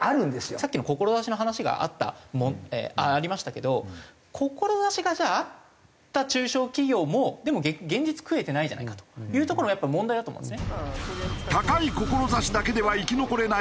さっきの志の話があったありましたけど志があった中小企業もでも現実食えてないじゃないかというところもやっぱ問題だと思うんですね。